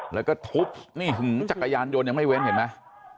แล้วก็ทุบนี่หึงจักรยานยนต์ยังไม่เว้นเห็นไหม